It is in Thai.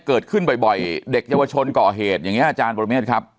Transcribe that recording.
เกิดขึ้นบ่อยเด็กเยาวชนก่อเหตุอย่างนี้อาจารย์ปรเมฆครับ